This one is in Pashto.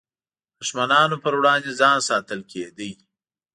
دښمنانو پر وړاندې ځان ساتل کېده.